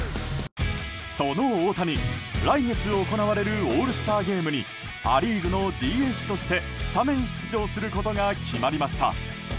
その大谷、来月行われるオールスターゲームにア・リーグのＤＨとしてスタメン出場することが決まりました。